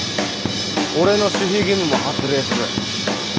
俺の守秘義務も発令する。